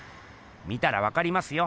見たらわかりますよ！